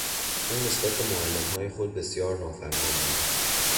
او نسبت به معلمهای خود بسیار نافرمان بود.